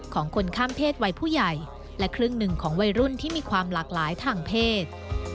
ของคนข้ามเพศวัยผู้ใหญ่และครึ่งหนึ่งของวัยรุ่นที่มีความหลากหลายทางเพศ